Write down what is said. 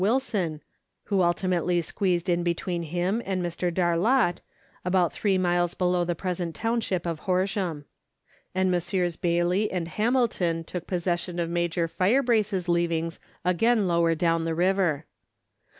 Wilson, who ultimately squeezed in between him and Mr. Darlot, about three miles below the present township of Horsham ; and Messrs. Baillie and Hamilton took possession of Major Firebrace's leavings again lower down the river.